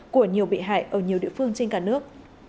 của nhiều bị hại ở nhiều địa phương trên cả nước